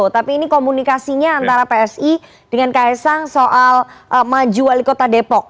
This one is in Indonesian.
tapi ini komunikasinya antara psi dengan ks sang soal maju wali kota depok